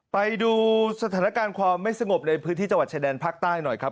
ไปดูสถานการณ์ความไม่สงบในพื้นที่จังหวัดชายแดนภาคใต้หน่อยครับ